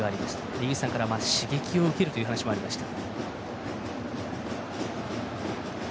井口さんからは刺激を受けるという話もありました。